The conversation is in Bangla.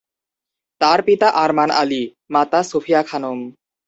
তার পিতা আরমান আলী, মাতা সুফিয়া খানম।